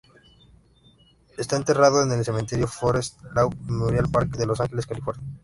Está enterrado en el cementerio Forest Lawn Memorial Park de Los Ángeles, California.